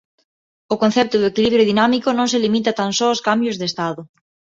O concepto do equilibrio dinámico non se limita tan só os cambios de estado.